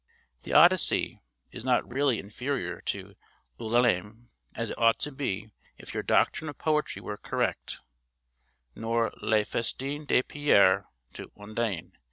The 'Odyssey' is not really inferior to 'Ulalume,' as it ought to be if your doctrine of poetry were correct, nor 'Le Festin de Pierré to 'Undine.'